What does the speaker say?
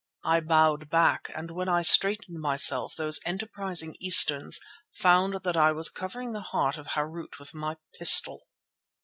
I bowed back and when I straightened myself those enterprising Easterns found that I was covering the heart of Harût with my pistol.